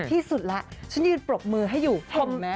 ที่สุดล่ะฉันยืนปลกมือให้อยู่เขินแม่